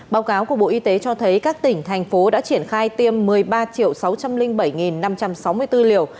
báo cáo của bộ y tế cho thấy các tỉnh thành phố đã triển khai tiêm một mươi ba sáu trăm linh bảy năm trăm sáu mươi bốn liều